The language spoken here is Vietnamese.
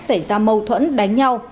xảy ra mâu thuẫn đánh nhau